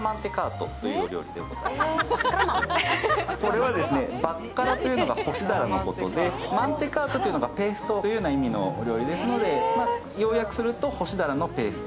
これはバッカラというのが干しだらのことでマンテカートというのがペーストのお料理ということですので、要約すると干しだらのペースト。